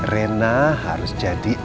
rena harus jadi